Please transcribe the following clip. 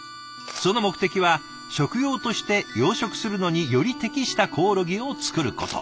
その目的は食用として養殖するのにより適したコオロギを作ること。